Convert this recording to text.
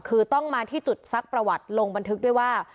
คือต้องมาที่จุดซักประวัติลงบันทึกด้วยว่า